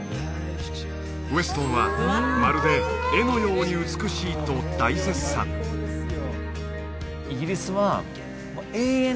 ウェストンはまるで絵のように美しいと大絶賛そうですってね